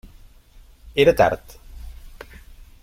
Era tard.